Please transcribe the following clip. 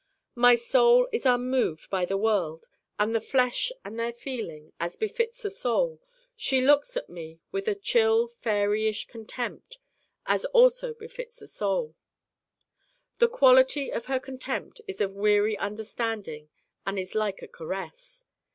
My Soul is unmoved by the world and the flesh and their feeling, as befits a Soul. She looks on me with a chill faëry ish contempt, as also befits a Soul. The quality of her contempt is of weary understanding and is like a caress.